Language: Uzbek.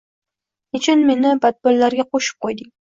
Nechun meni badbinlarga qoʼshib qoʼyding